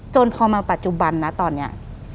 จนพอมาปัจจุบันนะตอนนี้